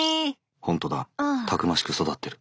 ホントだたくましく育ってる。